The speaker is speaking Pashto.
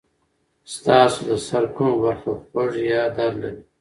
ستاسو د سر کومه برخه خوږ یا درد لري؟